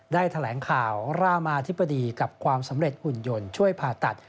แถลงข่าวรามาธิบดีกับความสำเร็จหุ่นยนต์ช่วยผ่าตัด